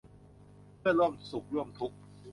เพื่อนร่วมสุขร่วมทุกข์